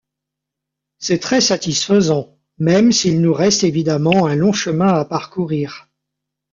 C'est très satisfaisant, même s'il nous reste évidemment un long chemin à parcourir.